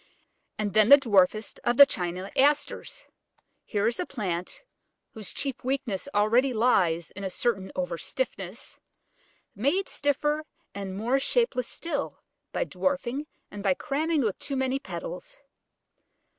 And then the dwarfest of the China Asters. Here is a plant (whose chief weakness already lies in a certain over stiffness) made stiffer and more shapeless still by dwarfing and by cramming with too many petals.